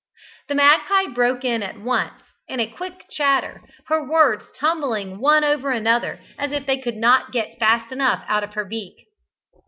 The magpie broke in at once in a quick chatter, her words tumbling one over another as if they could not get fast enough out of her beak.